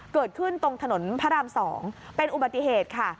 เกิดขึ้นตรงถนนพระราม๒เป็นอุบัติเหตุค่ะ